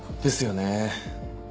ですよね。